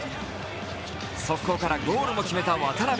速攻からゴールも決めた渡邊。